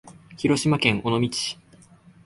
広島県尾道市